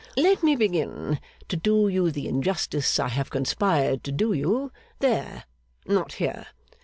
Let me begin to do you the injustice I have conspired to do you, there not here.